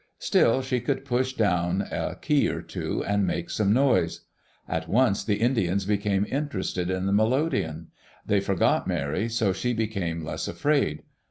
Still, she could push down a key or two and make some noise. At once the Indians became interested in the melodeon. They forgot Mary, so she became less afraid.